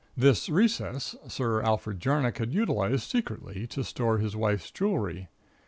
"This recess Sir Alfred Jarnock had utilized, secretly, to store his wife's jewelry.